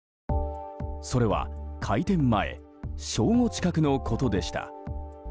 それは開店前正午近くのことでした。